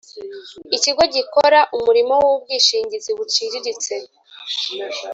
ikigo gikora umurimo w ubwishingizi buciriritse